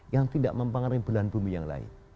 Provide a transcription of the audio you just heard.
yang tidak mempengaruhi bulan bumi yang lain